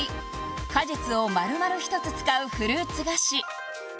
果実を丸々１つ使うフルーツ菓子